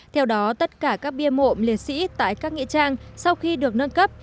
theo đó tất cả các bia mộ liệt sĩ tại các nghĩa trang sau khi được nâng cấp